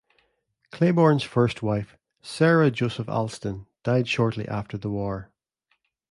Claiborne's first wife, Sara Joseph Alston, died shortly after the war.